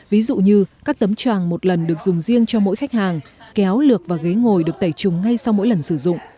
ví dụ như các tấm tràng một lần được dùng riêng cho mỗi khách hàng kéo lược và ghế ngồi được tẩy trùng ngay sau mỗi lần sử dụng